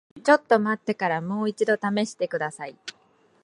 ちょっと待ってからもう一度試してください。